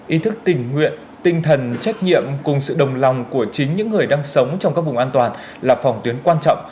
ý thức tình nguyện tinh thần trách nhiệm cùng sự đồng lòng của chính những người đang sống trong các vùng an toàn là phòng tuyến quan trọng